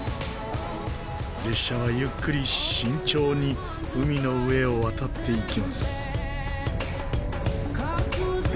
列車はゆっくり慎重に海の上を渡っていきます。